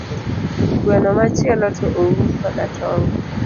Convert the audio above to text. Gweno machielo to oum kod atonga